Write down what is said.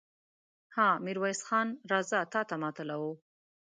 ها! ميرويس خان! راځه، تاته ماتله وو.